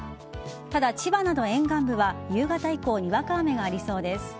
ただ、千葉など沿岸部は夕方以降にわか雨がありそうです。